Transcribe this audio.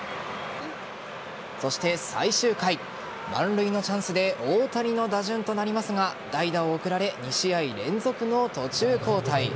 そして最終回満塁のチャンスで大谷の打順となりますが代打を送られ２試合連続の途中交代。